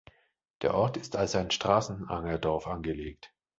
Der Ort ist als ein Straßenangerdorf angelegt.